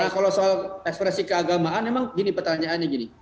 kalau soal ekspresi keagamaan memang gini pertanyaannya gini